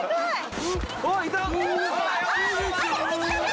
あっいた！